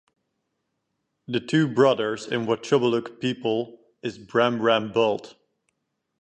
The two brothers in Wotjobaluk people is "Bram-bram-bult".